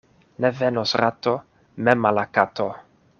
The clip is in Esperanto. Ne venos rato mem al la kato.